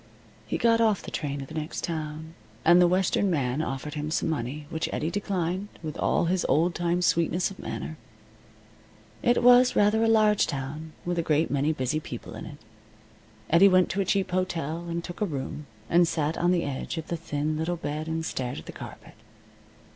He got off the train at the next town, and the western man offered him some money, which Eddie declined with all his old time sweetness of manner. It was rather a large town, with a great many busy people in it. Eddie went to a cheap hotel, and took a room, and sat on the edge of the thin little bed and stared at the carpet.